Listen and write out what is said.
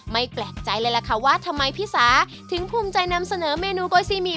ไม่แปลกใจเลยว่าทำไมพี่ซ้าถึงภูมิใจนำเสนอเมนูก็ซี่หมี่